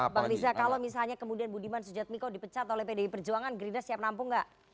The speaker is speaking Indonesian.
bang riza kalau misalnya kemudian budiman sujadmiko dipecat oleh pdi perjuangan gerindra siap nampung nggak